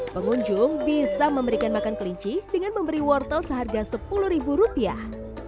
pengunjung bisa memberikan makan kelinci dengan memberi wortel seharga sepuluh ribu rupiah